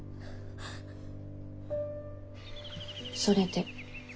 それで？